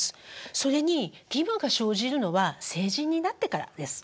それに義務が生じるのは成人になってからです。